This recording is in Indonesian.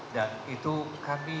dan itu kami